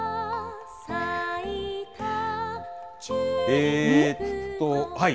えっと、はい。